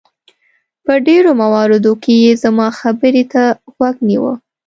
په ډېرو مواردو کې یې زما خبرې ته غوږ نیوه.